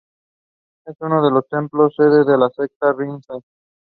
Es uno de los templos sede de la secta Rinzai.